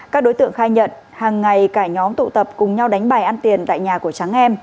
các đối tượng khai nhận hàng ngày cả nhóm tụ tập cùng nhau đánh bài ăn tiền tại nhà của trắng em